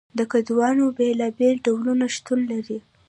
د کدوانو بیلابیل ډولونه شتون لري.